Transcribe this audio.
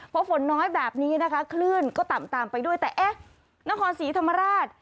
เพราะฝนน้อยแบบนี้นะคะคลื่นก็ตามไปด้วยแต่น้องคอนสีธรรมราช